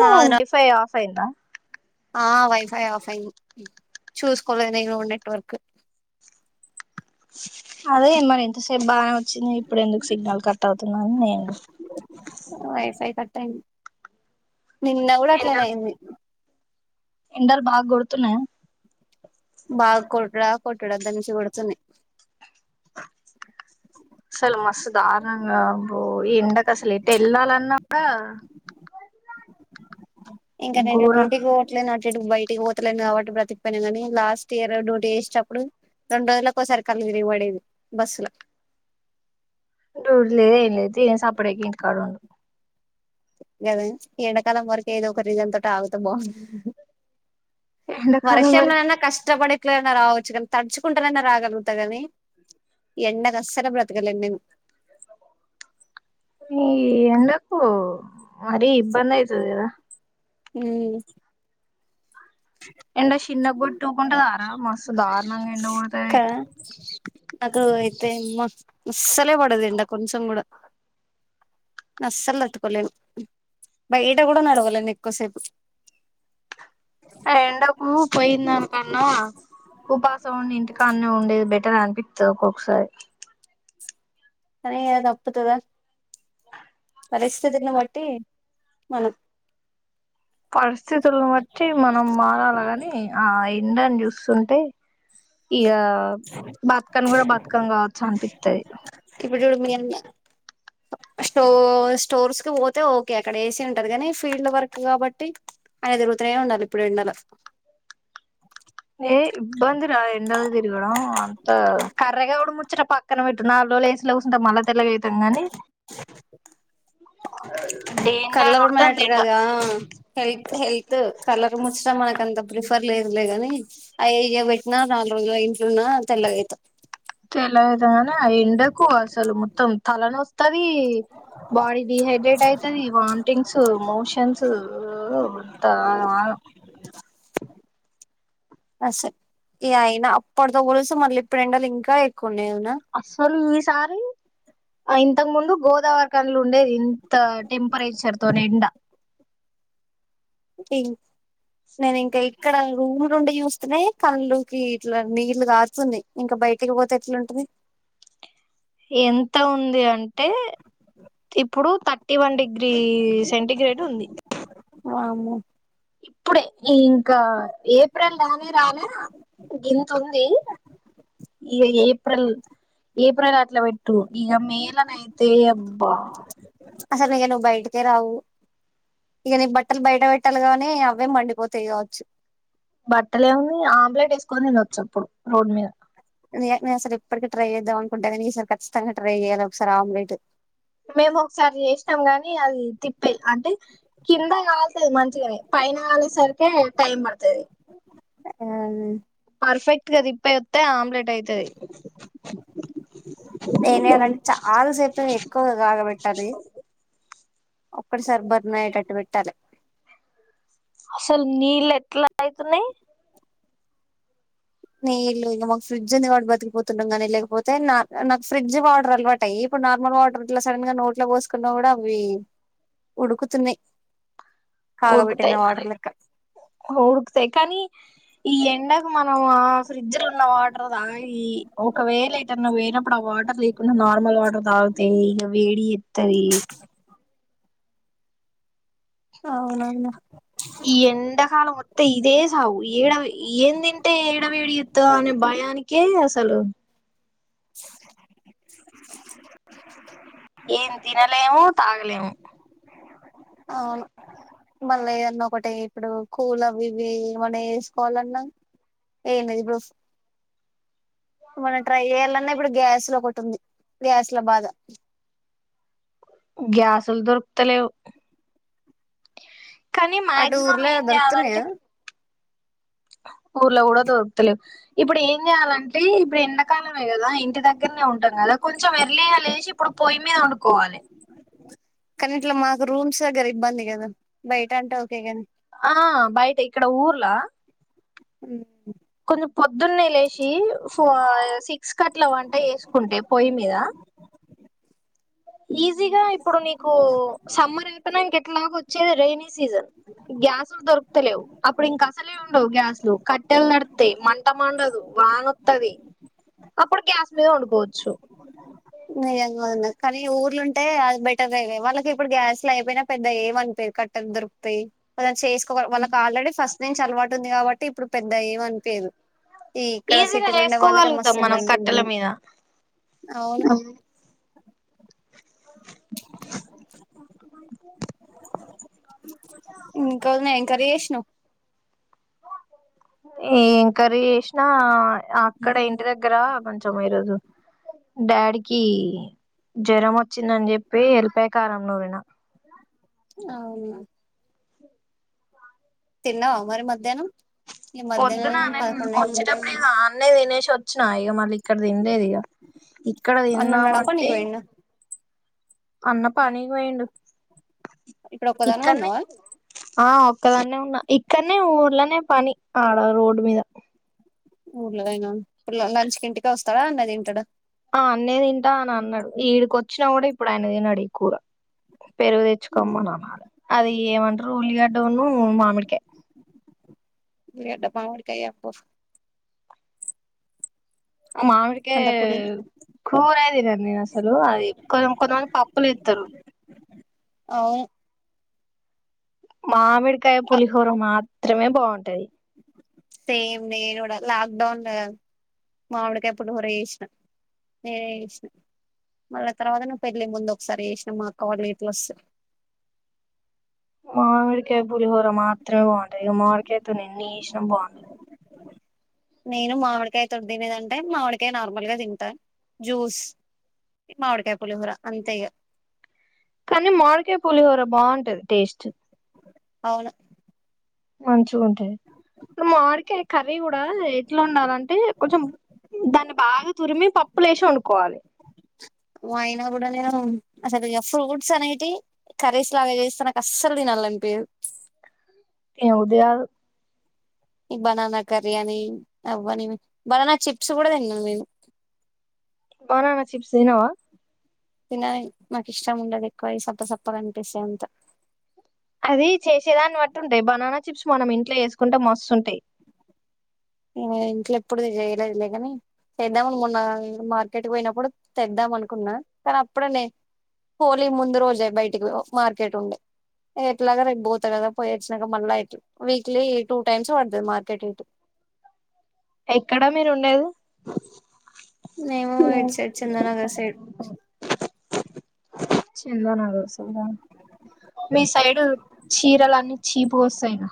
ఓ అవునా twenty five off ఫైందా ఆ వైఫై ఆఫ్ అయింది. చూసుకోలే నేను నెట్వర్క్ అదే ఏ మరింత సేబ్ బా వచ్చింది ఇప్పుడు ఎందుకు సిగ్నల్ కట్ అవుతుంది దాని నేను టెన్ నిన్న కూడా అట్లేనే అయింది. ఎండాలు బాగా కొడుతున్నాయా బాగా కొట్డా కొట్డా దంచి కొడుతున్నాయి. అసలు మస్తు దారుణంగా అబ్బో ఎండక అసలు ఎట్ వెళ్ళాలన్నా కూడా ఇంకా నేను ఘోరం డ్యూటీ హోట్లే నేను బయటికి పోతలేని కాబట్టి బ్రతికిపోయినా గాని లాస్ట్ ఇయర్ డ్యూటీ వసేటప్పుడు రెండు రోజుల ఒక్కసారి కళ్ళు తిరిగి పడే దాన్ని బస్సుల డ్యూటి లేదు ఏం లేదు ఏం సపడేక ఇంటి కాడ ఉండు. గదే ఎండాకాలం వరకు ఏదో ఒక రీజన్ తోటి ఆగుతే బాగుండు. ఎండాకాలం వరకు వర్షంలోన్ననా కష్టపడికులేన్న రావ తడుచుకుంటానన్న రాగలుగుతా గాని ఎండకు అసలు బ్రతకలేను నేను ఈ ఎండకు మరీ ఇబ్బంది అయితది గదా హ్మ్ ఎండ చిన్న కొట్టుూకుంటదిరా మస్తు దారుణంగా ఎండగోడతది. దీ నమ్మా అస్సలే పాడదే ఎండ కొంచం కూడా అస్సలు తట్టుకోలేను బయట కూడా నడవలేను ఎక్కువసేపు ఆ ఎండకు పోయిందానికన్నా ఉపాసం ఉండి. ఇంటికాన్నే ఉండేది. బెటర్ అనిపిత్తది. ఒక్కొక్కసారి సరే ఇగా తప్పుతదా పరిస్థితిని బట్టి మనం పరిస్థితులను బట్టి మనం మారాలాగాని ఆ ఎండని జూస్ సుంటే ఇగ బతుకన్ గూడా బతుకమ్ కావచ్చు. అనిపిత్తది ఇప్పుడు చూడు మీ స్టో స్టోర్స్ కి పోతే ఓకే అక్కడ ఏసీ ఉంటది. కానీ ఫీల్డ్ వర్క్ కాబట్టి ఆయన తిరుగుతనే ఉండాల ఇప్పుడు ఎండల ఏ ఇబ్బంది రా ఎండల్ తిగడం అంతా కర్రెగా అవ్వుడు ముచ్చట పక్కన పెట్టు నాల్రోజులు ఏసీ లో కూసుంటే మళ్ళ తెల్లగైత్ తెల్లగైతం గానీ డేంజర్ కాలర్ కొడతాంది మ్యాటర్ ఎండ కదా హెల్త్ హెల్త్ కలర్ ముచ్చట మనకంత ప్రిఫర్ లేదులే గాని అవి ఇగ పెట్టినా నాల్రోజులు ఇంట్లున్నా తెల్లగైత తెల్లగయితం గాని ఆ ఎండకు అసలు మొత్తం తలనొస్తద్ దీ బాడీ డిహైడ్రేట్ అయితది వామిటింగ్స్ మోషన్స్ ఓఓ అంత ఆగ అస్ ఈ అయినా అప్పటితో పోలిస్తే మళ్ళీ ఇప్పుడెండలు ఇంకా ఎక్కు అస్సల్ వి‌ తారు ఆ ఇంతకు ముందు గోదావరి కనులు ఉండేది ఇంత టెంపరేచర్ తోని ఎండ ఇంక్ నేనింక ఏ ఇక్కడ రూములుండి చూస్తూనే కళ్ళుకి ఇట్లా నీళ్లు కారుతున్నాయి ఇంక బయటికి పోతే ఎట్లుంటది ఎంత ఉంది అంటే ఇప్పుడు థర్టీ వన్ డిగ్రీ సెంటిగ్రేడ్ ఉంది వామ్మో ఇప్పుడే ఇంకా ఏప్రిల్ రానే రానే గింత ఉంది ఇగా ఇప్పుడు ఏప్రిల్ అట్లా పెట్టు ఇక మేలనైతే అబ్బా అసలు ఇక నువ్వు బయటకే రావు ఇక నీ బట్టలు బయట పెట్టాలి గానీ అవే మండిపోతాయి కావచ్చు బట్టలేముంది ఆమ్లెట్ ఏస్కొని తినొచ్చప్పుడు రోడ్మీద నే నేనసలు ఇప్పటికి ట్రై చేద్దాం అనుకుంట కానీ ఈ సారి ఖచ్చితంగా ట్రై చేయాల ఒకసారి ఆమ్లెట్ మేము ఒకసారి చేస్నాం గాని అది తిప్పేయ్ అంటే కింద కాలతది మంచిగానే పైన కాలేసరికే టైం పడతది యాన్ పర్ఫెక్ట్ గది ఏంజేయాలంటే చాలా సేపుతోనె ఎక్కువగా కాగబెట్టాలి ఒక్కటేసారి బర్న్ అయ్యేటట్టు పెట్ టలే అసలు నీళ్ళు ఎట్లా ఐతున్నాయ్ నీళ్లు ఇంగ మాకు ఫ్రిడ్జ్ ఉంది కాబట్టి బతికిపోతున్నాం గానీ లేకపోతే నాక్ నాకు ఫ్రిడ్జ్ వాటర్ అలవాటై ఇప్పుడు నార్మల్ వాటర్ అట్లా సడన్ గా నోట్లో పోసుకున్నా కూడా అవి ఉడుకుతున్నాయి కాగబెట్టిన ఉడుకుతాయి వాటర్ లెక్క మరి ఈ ఎండక్ మనం ఆ ఫ్రిడ్జ్ లో ఉన్న వాటర్ తాగి ఒకవేళ ఎటైన పోయినపుడు ఆ వాటర్ లేకుండా నార్మల్ వాటర్ తాగితే ఇంగ వేడి జెత్తది అవునన్నా ఈ ఎండాకాలం అత్తే ఇదే సావు ఏడ ఏం తింటే ఏడ వేడిజేత్తదో అనే భయానికే అస్ సలు ఏం తినలేము తాగలేము అవును బ మే అన్నా ఒకటె ఇప్పుడు కూలర్ వివి ఏమన్నా వేసుకోవాలన్నా ఏంలేదు ఇబ్బుడు మనం ట్రై చేయాలన్నా ఇప్పుడు గ్యాస్ లో ఒకటి ఉంది గ్యాస్ లో బాధ గ్యాస్లు దొరుకుతలేవ్ కానీ అటు మాక్సిమం ఊర్లో ఏం చేయాలంటే దొరుకుతున్నాయా ఊర్లో కూడా దొర్కతలేవ్ ఇప్పుడు ఏ ఏం చేయాలంటే ఇప్పుడు ఎండాకాలమే కదా ఇంటి దగ్గరనే ఉంటాం కదా కొంచెం ఎర్లీగా లేచి ఇప్పుడు పొయ్యి మీద వండుకోవాలి కానీ ఇట్లా మాకు రూమ్స్ దగ్గర ఇబ్బంది కదా బయట అంటా ఆ బయట ఇక్కడ ఊర్లా హ కొంచెం పొద్దున్నే లేసి ఫ సిక్స్ కట్ల వంట వేసుకుంటే పొయ్యి మీద ఈజీగా ఇప్పుడు నీకు సమ్మర్ అయితున ఇంకెట్లాగ వచ్చేది రెైన సీజన్ గ్యాస్లు దొరుకుతలేవు అప్పుడు ఇంక అసలే ఉండవు గ్యాస్లు కట్టెలు నడితేా మంట మండదు వానతుది అప్పుడు గ్యాస్ మీద వండుకోవచ్చు నిజంగా కానీ ఊర్లు ఉంటే అది బెటర్ అయ వాళ్ళకి ఇప్పుడు గ్యాస్ లు అయిపోయినా పెద్ద ఏమనిపోయి కట్టర్ దొరికితయి చే వాళ్ళకి ఆల్రెడీ ఫస్ట్ నేను అలవాటు ఉంది కాబట్టి ఇప్పుడు పెద్ద ఏమ అనిపేరు ఈజీగా చేసుకోగలుగుతాం మనం ఇబ్బంది కట్టెల మీద అవును హ్మ్ ఇంక్ వదిన ఏం కర్రీ చేస్తన్నావ్ ఏం కర్రీ చేసినా అక్కడ ఇంటి దగ్గర కొంచెం ఈరోజు డాడీకి జ్వరం వచ్చిందని, చెప్పి వెళ్ళపై కారం నూరిన అవును తిన్నావా మరి మధ్యాహ్నం ఈ పొద్దునా మధ్యాహ్నం నేన్ పదకొండు అయితుంది వచ్చేటప్పుడే [unintelligible] [unintelligible] వినేష్ వచ్చినాయో మల్లికా ఇక్కడ తిన్లేద్ ఇగా ఇక్కడ అన్న ఉన్నాడా పనికి తిన్నామంటే పోయిండా అన్న పని పోయిండు ఇప్పుడు ఒకదాన్వి ఉన్నావా ఒక్కదానే ఉన్నా ఇక్కడనే ఊర్లోనే పని ఆడ రోడ్డు మీద ఊర్లోయేన ఇప్పు లంచ్కి ఇంటికి వస్తాడా అడ్నే తింటాడా ఆ ఆడ్నే తింటా అని అన్నాడు ఈడికొచ్చినా కూడా ఇప్పుడు ఆయన తినడు ఈ కూర పెరుగు తెచ్చుకోమ్మన్నాళ అది ఏమంటారు ఉల్లిగడ్డను మామిడికాయ్ గడ్డమామిడికాయా అప్పు ఆ మామిడికాయ్ అంత పుల్ల కూరే తినను నేన్ అసలు అది కొ కొంతమంది పప్పులు ఇస్తారు. అవును మామి కాయ పలిహర మాత్ చిత్రమే బాగుంటది సేమ్ నేను కూడా లాక్డౌన్ మామిడికి ఎప్పుడు కూర చేసినా నేనే చేసినా మళ్ళీ తర్వాత ను్ పెళ్లి ముందు ఒకసారి చేసినా మా అక్క వాళ్ళ వీట్ల వస్తే అంట మడిక అతు న ఎన్ని ఇష్టం బాగుండ నేను మామిడికాయతో తినేదంటే మామిడికాయ నార్మల్గా తింటాను జ్యూస్ మామిడికాయ పులిహోర అంతే ఇక కానీ మాోడికాయ పులిహోర బాగుంటది టేస్ట్ అవును అంచి ూంటాయి మామిడిక కర్రీ కూడా ఎట్లా ఉండాలంటే కొంచెం దాన్ని బాగా తురిమి పప్పు లేసి వండుకోవాలి అయినా కూడా నేను అసలు ఇ ఫ్రూట్స్ అనేటి కరీస్ లాగా చేస్తా నాక అస్సలు తిని అనిపించదు ఏ ఉద ఈ బనానా కర్యానీ అవ్వని బనానా చిప్స్ కూడా తిన్నాను నేను బననా చిప్స్ ఏనావా తిన మాకు ఇష్టం ఉండదు ఎక్కువ ఈ సప్ప సప్పగా కనిపిస్తే అంత అది చేసేదాన్ని బట్టు ఉంటాయి బనానా చిప్స్ మనం ఇంట్లో వేసుకుంటే మస్తుంటాయి ఇంట్లో ఎప్పుడు చేయలేదులే కాని తెద్దాం మొన్న మార్కెట్కి పోయినప్పుడు తెద్దాం అనుకున్నా కానీ అప్పుడ న హోలీ ముందు రోజే బయటికి మార్కెట్ ఉండే ఎట్లాగా రేపు పోతా కదా పోయి వచ్చినాక మళ్ళీ వీక్లీ టూ టైమ్స్ పడుతుంది మార్కెట్ ఇటు ఎక్కడా మీరు ఉండేది నేమ వడ్ సైడ్ చంద్రనగర్ సైడ్ చిందనదుసింద మీ సైడ్ చీరలు అన్ని చీపు వస్తాయినా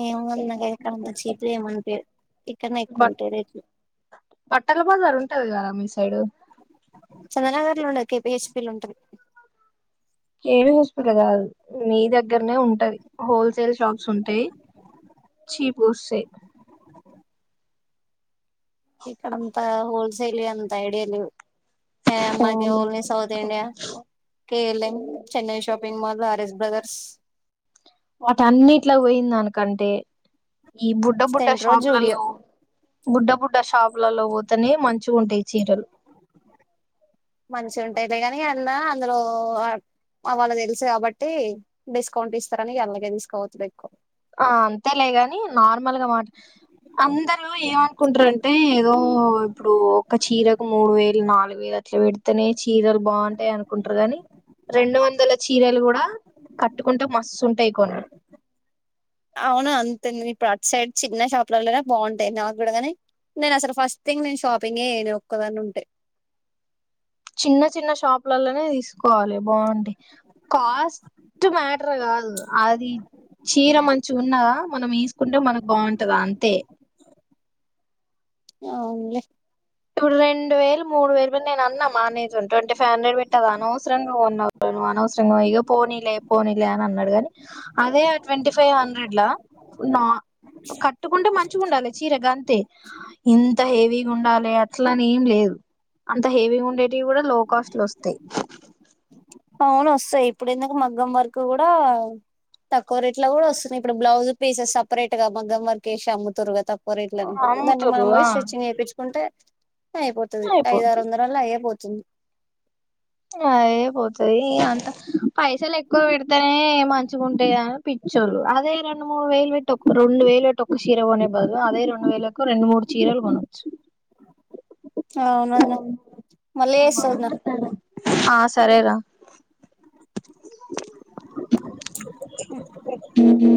ఏమన్నా ఇక్కడ అంత చీట్లు ఏమంట ఇక్కడన్నా బట్ ఎక్కువంటేయిట్లు అ ఈ సైడు చందనగర్ లో ఉండది కెపిహెచ్పి లో ఉంటది ఏమి హస్పిట కాదు మీ దగ్గరనే ఉంటది హోల్సేల్ షాప్స్ ఉంటాయి చీపు వస్తాయి ఇక్కడంతా హోల్సేల్ అంత ఐడియాాల అ మాగ only South India KLM Chennai shopping mall RS brother bus వాటి అన్నిట్లా పోయిందానికంటే ఈ బుడ్డ బుడ్డ సెంట్రో జూడియో షాపులలో బుడ్డ బుడ్డ షాపులలో పోతేనే మంచి ఉంటాయి చీరలు మంచి ఉంటాయి కాని అన్నా అందులో వాళ్ళు తెలుసు కాబట్టి డిస్కౌంట్ ఇస్తారని అలాగే తీసుకోవతుదు ఎక్కువ ఆ అంతేలే గాని నార్మల్గా మాట అందరుూ ఏమనుకుంటారంటే ఏదో ఇప్పుడు ఒక చీరకు మూడు వేలు నాలుగు పెడినే చీరలు బాగుంటాయి అనుకుంటారు కాగాని రెండు వందల చీరలు కూడా కట్టుకుంటే మస్తు ఉంటాయి కొన్ని అవునా అంతే ఇప్పుడు అటు సైడ్ చిన్న షాపులలోనే బాగుంటాయి నాకు కూడా ని నేను అసలు ఫస్ట్ థింగ్ నేను షాపింగ్ే ఒక్కదని ఉంటే చిన్న చిన్న షాప్ లలనే తీసుకోవాలి బాగుంంది కాస్ట్ మ్యాటర్ కాదు అది చీర మంచి ఉన్నదా మనం ఈసుకుంటే మనకు బాగుంటది అంతే అవును ఇప్పుడు రెండు వేలు మూడు వేలు నేను అన్నా మానేజ ట్వంటీ ఫైవ్ హండ్రెడ్ పెట్టదు అనవసరంగా ఉన్ నువవు అనవసరంగా ఇగ పోనీలే పోనీలే అని అన్నాడుగాని అదే ట్వంటీ ఫైవ్ హండ్రెడ్ నా కట్టుకుంటే మంచిగా ఉండాలి చీరగా అంతే ఇంత హెవీ ఉండాలే అట్లా అని ఏం లేదు అంత హెవీ ఉండేవి కూడా లో కాస్ట్ లో వస్తాయి అవును వస్తాయి ఇప్పుడు ఎందుకు మగ్గం వరకు కూడా తక్కువ రేట్ లో కూడా వస్తున్నాయి ఇప్పుడు బ్లౌజ్ పీసెస్ సపరేట్ గా మగ్గం వరకు మ్ముతూరుగా తక్కువ పరేట్ని దాన్ని మనం అమ్ముతుర్రు ఆ పోయి స్ట్రెచంగ్ చేయిు ఉంటే అయిపోతది ఐద అయిపోద్ది ఆరు వందలాల్ల అయ్యే పోతది చేయ్ ఇగ అయ్యేపోతది అంత పైసలు ఎక్కువ పెడితేనే మంచిగా ఉంటాయి అని పిచ్చోళు అదే రెండు మూడు వేలు పెట్ట రెండు వేలు పెట్ట చీర కొనేవదులు అదే రెండు వేలకు రెండు మూడు చీరలు కొనొచ్చు అవునువదిన్నా మళ్ళ అ చేస్తా వద్నా బాగుంటది ఆ సరేరా ఉహ్